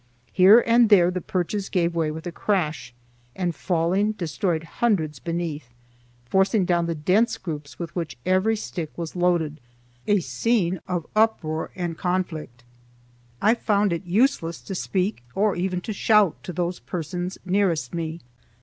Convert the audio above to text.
Here and there the perches gave way with a crash, and falling destroyed hundreds beneath, forcing down the dense groups with which every stick was loaded; a scene of uproar and conflict. I found it useless to speak or even to shout to those persons nearest me.